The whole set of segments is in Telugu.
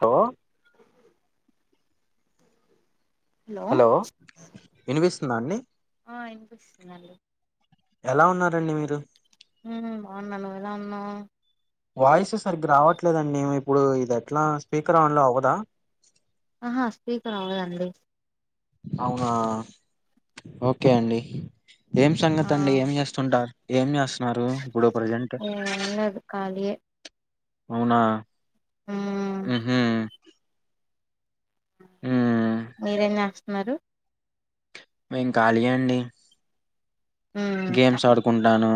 హలో హలో వినిపిస్తుందా అండి ఆ ఏం వినిపిస్తుందండి ఎలా ఉన్నారండి మీరు హు బాగున్నా నువ్వు ఎలా ఉన్నావ్ వాయిస్ సరిగ్గా రావట్లేదండి ఇప్పుడు ఇది ఎట్లా స్పీకర్ ఆన్లో అవ్వదా ఆహా స్పీకర్ అవదండి అవునా ఓకే అండి ఏం సంగతి ఆ అండి ఏం చేస్తుంటారు ఏమి జేస్త నారు ఇప్పుడు ప్రజెంట్ ఏం లేదు ఖాళీయే అవునా మ్మ్ ఆహా హ మీరేం చేస్తున్నారు మేం కాలియే అండి మ్మ్ గేమ్స్ ఆడుకుంటాను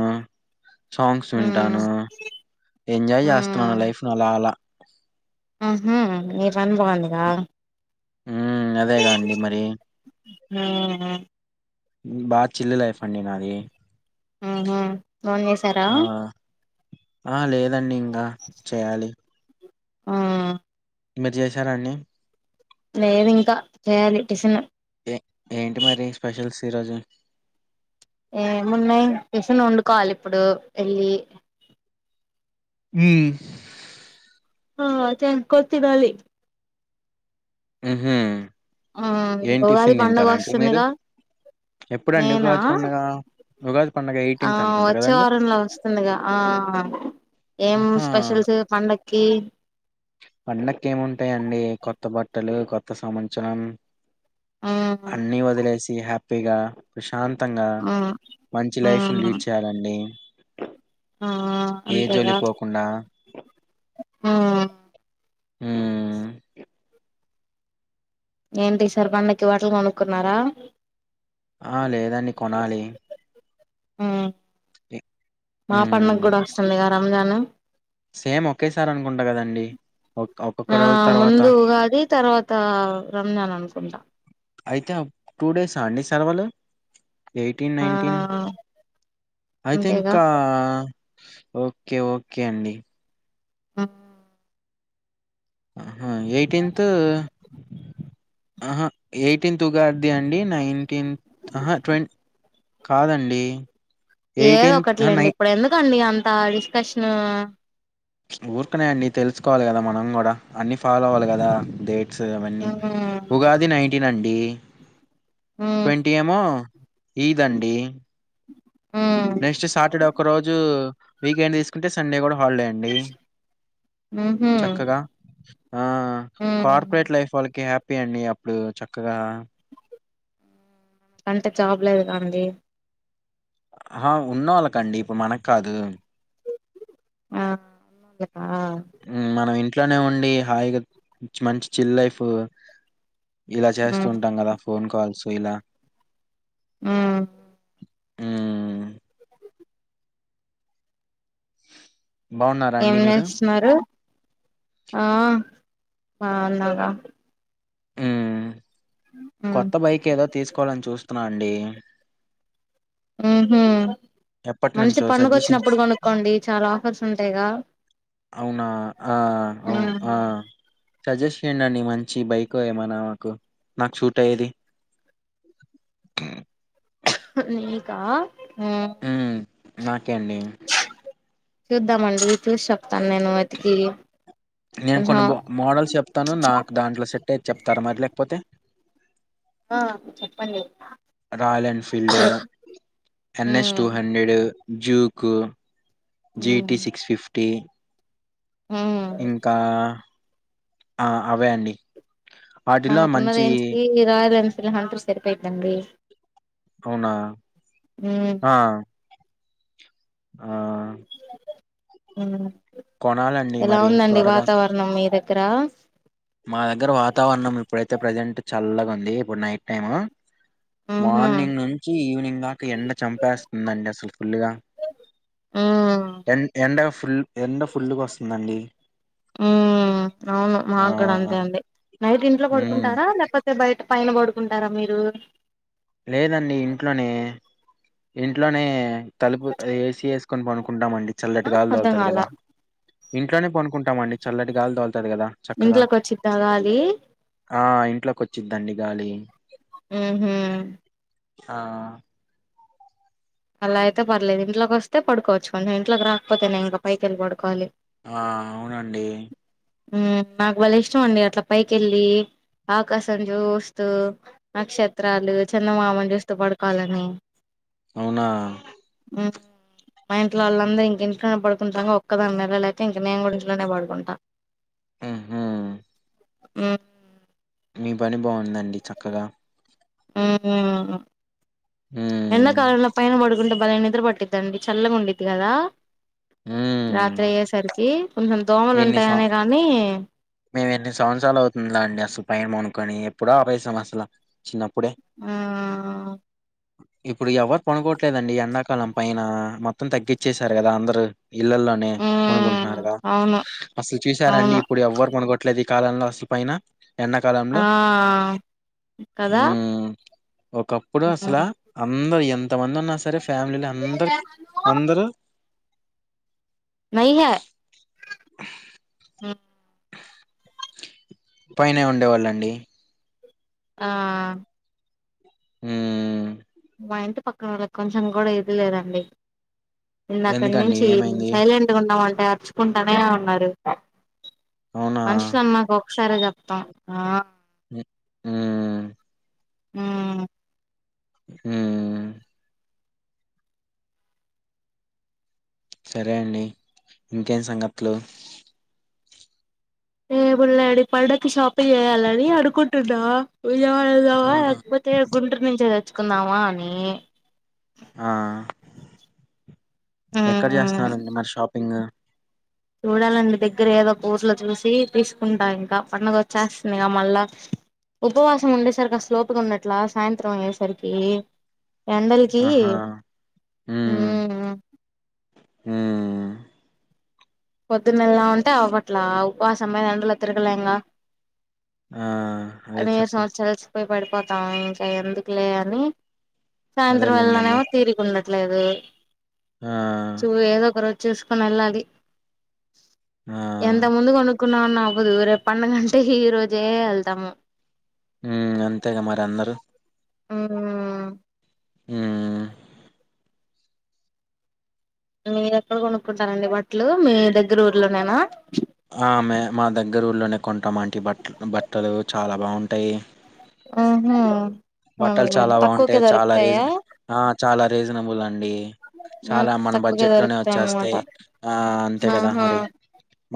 సాంగ్స్ మ్మ్ వింటాను ఎంజాయ్ చేస్తున్నాను లైఫ్ ను అలా అలా ఆహా మీ పని బాగుందిగా ఉ అదేగా అండి మరి హ్ బా చిన్న లైఫ్ అండి నాది హ్ హ్ భోంజేశార ఆ ఆ లేదండి ఇంగా చేయాలి హ్ మీరు చేసార అండి లేదు ఇంకా చేయాలి టిఫీన్ ఏ ఏంటి మరి స్పెషల్స్ ఈ రోజు ఏమున్నాయ్ టిఫిన్ వండుకోవాలి ఇప్పుడు ఏళ్ళి హ్ [unintelligible] కొనీ తినాలి హ్ హు ఆ ఉగాది పండగ మీరు వస్తుందిగా ఎప్పుడండి నేనా ఉగాది పండగ ఉగాది పండగ ఆ ఎయిటీన్త్ అనుకుంటా వచ్చే కదండి వారంలో వస్తుందిగా ఆ ఏం ఆహా స్పెషల్స్ పండగ కీ పండక్కేముంటాయండి కొత్త బట్టలు కొత్త సంవత్సరం ఉమ్ అన్ని వదిలేసి హ్యాపీ ప్పి గా [unintelligible] శాంతంగా ఉమ్ మంచి లైఫ్ను ఉమ్ లీడ్ చేయాలండి ఆ ఏ జోలి అంతేగా పోకుండా హ్ హ్ ఏంటి సార్ పండక్కి బట్టలు కొనుక్కున్నారా ఆ లేదండి కొనాలి హ్ మా పండుగ హ్మ్ కూడా వస్తుంది కద రాంజాను సేమ్ ఒకేసారి అనుకుంటా కదండి ఒక్కొక్క ఆ రోజు తర్వాత ముందు ఉగాది తర్వాత రంజాన్ అనుకుంటా అయితే టూ డేసా అండి సెలవులు ఎయిటీన్ ఆ నైన్టీన్ ఐతే అంతేగా ఇంకా ఓకే ఓకే అండి హ్ హా హా ఎయిటీన్త్ ఆహ ఎయిటీన్త్ ఉగాది అండి నైన్టీన్త్హ ట్వన్ కాదండి ఏదో అహా! నై ఒకటిలేండి ఇప్పుడు ఎందుకండి అం త డిస్కషన్ ఊర్కనే అన్నీ తెలుసుకోవాలి. కదా మనం కూడా అన్ని ఫాలో అవ్వాలి గాదా దే సో అవన్నీ ఉమ్ ఉగాది నైట్ టినండి ఉమ్ ట్వంటీ ఏమో ఈదండి ఉమ్ నెక్స్ట్ సాటర్డే ఒక్క రోజు వీకెండ్ తీసుకుంటే సండే కూడా హాలిడే అండి ఉహు చక్కగా ఆ ఉమ్ కార్పోరేట్ లైఫ్ వాళ్లకి హాప్ ప్పియండి అప్పుడు చక్కగా అంటే జాబ్ లేదుగా అండి హా ఉన్నోళ్లకండి ఇప్పుడు మనక్కాదు ఆ అ ఉమ్ మనం ఇన్ ట్లోనే ఉండి హాయిగా మంచి చిల్ లైఫ్ ఇలా చేస్తూ మ్మ్ ఉంటాం కదా ఫోన్ కాల్స్ పొయిల్లా మ్మ్ మ్ బాగున్నారా ఏం అండి మీరు చేస్తున్నారు ఆ ఆ అన్నాగా ఉమ్మ్ మ్మ్ కొత్త బైక్ ఏదో తీస్ కోవాలని చూస్తున్నా అండి ఊహూ ఎప్పటి మంచి నుంచో పండుగ సజెషన్స్ వచ్చినప్పుడు కొనుక్కోండి చాలా ఆఫర్స్ ఉంటాయిగా అవునా ఆ అవు ఆ సజెస్ట్ చేయండండి మంచి బైక్ ఏమనా నాకు సూట్ అయ్యేది నీకా మ్మ్ నాకే అండీ చూద్దామండి చూసి చెప్తాన్ నేను వెతికి నేను కొన్ని [unintelligible] [unintelligible] చెప్తార మరి లేకపోతే ఆ చెప్పండి రాయల్ ఎన్ఫీల్డ్, ఎన్ ఎస్ మ్మ్ టూ హండ్రెడ్ జ్యూకు జీ మ్మ్ టి సిక్స్ ఫిఫ్ టి మ్మ్ ఇంకా ఆ అవే అండి వాటిలో మనకున్న మంచి రేంజ్ కి ఈ రాయల్ ఎన్ ఫీలిమంటూ సరిపోయిద్దండి అవునా మ్మ్ ఆ ఆ ఉం కొనాలండి ఎలా మరి ఉందండి త్వరగా వాతావరణం మీ దగ్ కరా మా దగ్గర లే ఇప్పుడు నైట్ టైమ్ మ్మ్ హ్మ్ మార్నింగ్ నుంచి ఈవినింగ్ దాక ఎండ చంపేస్తుందండి అసలు ఫుల్గా ఎన్ ఎండ ఫుల్ ఎండ ఫుల్గా వస్తుందండి ఉ అవును మా ఆ క్కడ అంతే అండి నైట్ ఇంట్లో ఉమ్ పడుకుంటారా లేపోతే బయట పైన పడుకుంటారా మీరు లేదండి ఇంట్లోనే ఇంట్లోనే తలుపు ఏసి వేసుకొని పనుకుంటామండి చల్లటి ఆ గాలి అర్థం తగుల్తది కాల కదా ఇంట్లోనే పనుకుం టామండి చల్లటి గాలీ తగుల్తాది కదా చక్కగా ఇంట్లోకి వచ్చి తగాలి ఆ ఇంట్లో కొచ్చిద్దండి గాలి ఉహు ఆ అలా అయితే పర్లేదు ఇంట్లోకొస్తే పడుకోవచ్చు కొంచెం ఇంట్లోకి రాకపోతేనే ఇంకా పైకి వెళ్లి పడుకోవాలి ఆ అవునండి మ్మ్ నాకు భలే ఇష్టం అండి అట్లా పైకి వెళ్ళి ఆకాశం చూస్తూ నక్షత్రాలు చందమామ ని చూస్తూ పడుకోవాలని అవునా మ్మ్ మా ఇంట్లో వాళ్ళంద ఇంక ఇంట్లోనే పడుకుంటాం ఒక్కదాని నెల లేక ఇంక నేను కూడా ఇంట్లోనే పడుకుంటా ఉహు ఉ మీ పని బావుందండి చక్కగా మ్మ్ ఉమ్ ఎండకాలంలో పైన పడుకుంటే బలె నిద్ర పట్టిద్దండి చల్లగా ఉండిద్ది కదా ఉమ్ రాత్రి అయ్యేస సరికి కొంచెం దోమలు ఎన్ని సం ఉంటాయనే గానీ మేము ఎన్ని సంవత్సరాలు అవుతుంది అండి అసలు పైన పనుకొని ఎప్పుడో ఆపేసాం అసల చిన్న ఆ ఇప్పుడు ఎవరు పనుకోవట్లేదండి ఎండాకాలం పైన మొత్తం తగ్గిచ్చేసారు కదా అందరు ఇళ్లల్లోనే ఉమ్ పనుకుంటున్నారుగా అవును అసలు చూసారండి అవును ఇప్పుడు ఎవ్వరు ఈ కాలంలో అసలు పైన ఆ ఎండాకాలంలో కదా ఉమ్ ఒకప్పుడు అసలు అందరు ఎంత మంది ఉన్నా సరే ఫ్యామిలీలొ అందరికి అందరూ నై హే పైనే ఉండేవాళ్ళండి ఆ హూ మా ఇంటి పక్కనొక్కకు కొంచెం కూడా ఇది లేదండి ఎందుకండి ఇందాకడ్నించి ఏమైంది సైలెంట్గా ఉన్నామం అర్చుకుంటానే ఉన్నారు అవునా మన్షులన్నాక ఒక సరగాత్తాం ఆ ఆ ఊ ఊమ్ సరే అండి ఇంకేం సంగతులు ఏ పలేండి పండక్కి షాపింగ్ చేయాలని అనుకుంటున్నా విజయవాడ లోఆ అవునా లేకపోతే గుంటూర్ నించే చ్చుకుందామా అని ఆ ఎక్కడ మ్మ్ చేస్తన్నారండి మరి షాపింగ్ చూడాలండి దగ్గర ఏదో బోట్లు చూసి తీసుకుంటా ఇంకా పడుగ వచ్చేస్తుందిగా మళ్ళా ఉపవాసం ఉండేసరికి ఆ స్లోపుగా ఉండట్లా సాయంత్రం అయ్యేసరికి ఎండలకి ఆహా మ్మ్ హ మ్మ్ పొద్దున్నెలలా ఉంటే అవ్వట్లా ఆ ఉపశంలో ఎండలో తిరగలేంగా ఆ అదే చెప్ప ఉపయోగపడిపోతాం ఇంకా ఎందుకులే అని సాయంత్రం అదేలేండండి వెళ్ళనేమో తీరిక ఉండదు అట్లేదు ఆ చూ ఎదో ఒక రోజు చూసుకొని వెళ్ళాలి ఆ ఎంత ముందుగా కొను కున్నా నవవుదు రేపు పడుగంటే ఈ రోజే వెళ్తాము ఉ అంతేగా మరి అందరు ఉమ్ ఉమ్ మీరు ఎక్కడ కొనుక్కుంటారండి బట్టలు మీ దగ్గర ఊర్లోనేనా ఆ మె మా దగ్గర ఊర్లోనే కొంటామండీ బట్ట బట్టలు చాలా బాగుంటాయి ఉమ్ చాలా ఉహ్ తక్కువకే బావుంటాయి. చాలా దొరకుతాయా రీజన్ ఆ! చాలా రీజనబుల్ అండి మ్మ్ చాలా మన తక్కువకే బడ్జెట్ లోనే దొరుకుతాయి అన్నమాట వచ్చేస్తయి ఆ అంతే కదా ఆహా మరి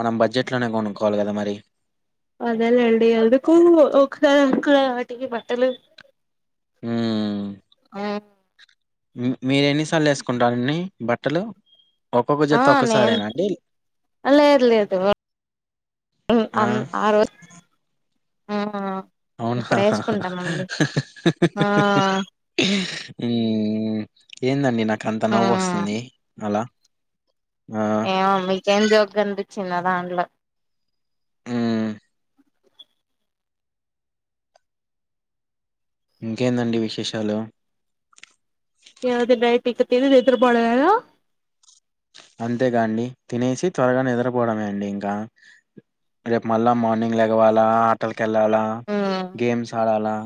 మనం బడ్జెట్ లోనే కొనుక్కోవాలి కదా మరి అదేలేండి అందుకు ఒకసారి అక్కడ వాటికి బట్టలు ఉమ్ మీరెన్నిసార్లు వేసుకుంటారండి బట్టలు ఒక్కొక్క ఆ జత నేన్ ఒక్కసారేనా అండి? లేదు లేదు ఆ రోజు ఆహ్ హ అవునా హా హ హ ఆ ఏందండి నాకు నాక అంత ఆ నవ్వు వస్తుంది అలా ఆ! ఏమో మీకేం జోకగానిపించిందో దాంట్లో ఉమ్ ఇంకేందండి విశేషాలు ఏవండీ నైట్ ఇక తిని నిద్రపోవడమేనా అంతేగాండి తినేసి త్వరగా నిద్రపోవడమే అండి ఇంకా రేపు మళ్ళా మార్నింగ్ లెగవాల కెళ్ళాలా గేమ్స్ ఆడాలా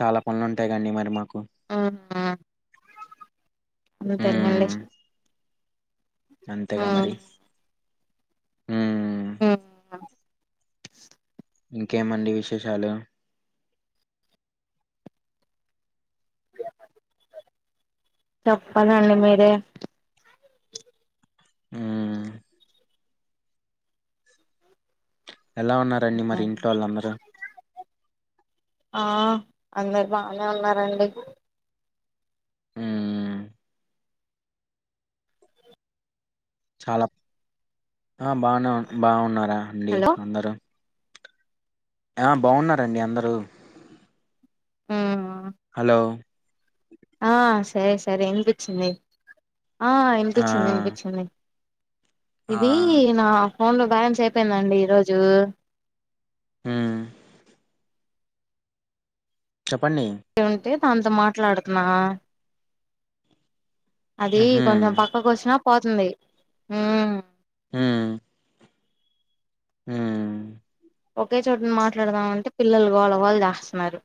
చాలా పనులు ఉంటాయి కండి మరి మాకు ఆ అంతేగాండి మ్మ్ అంతేగా మరి హ ఆ ఇంకేమండి విశేషాలు చెప్పాలండి మీరే ఆ ఎలా ఉన్నారండి మరి ఇంట్లో వాళ్ళందరూ ఆ అందరు బానే ఉన్నారండి ఆ చాలా ఆ బానే బాగున్నారా అండి హలో అందరు ఆ బావున్నారండి అందరూ హలో ఆ సరే సరే ఇనిపించింది ఆ ఆ ఇనిపించింది వినిపించింది ఆ ఇది నా ఫోన్లో బ్యాలెన్స్ అయిపోయిందండి ఈరోజు హ్మ్ చెప్పండి అంత మాట్లాడుతున్నా అది మ్హూ కొంచెం పక్కకొచ్చిన పోతుంది హ్ హ్మ్ హ్మ్మ్ ఒకే చోట మాట్లాడదామంటే పిల్లలు గోలా గోలా చేస్తున్నారు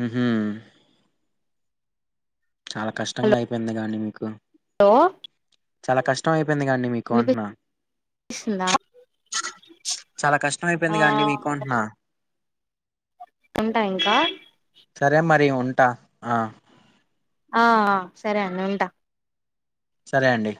ఉహు చాలా కష్టంగా అయిపోయింది గా అండి మీకు హలో చాలా కష్టంమయి దిండి గా మీకు అంటున్న వినిపిస్తుందా చాలా కష్టం అయిపోయింది అండి మీకుంటున్నా ఉంటా ఇంకా ట ఆ ఆ ఆ సరే అండి ఉంటా సరే అండి